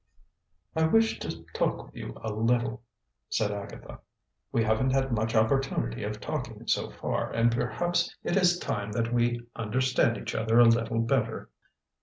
"I wish to talk with you a little," said Agatha. "We haven't had much opportunity of talking, so far; and perhaps it is time that we understand each other a little better."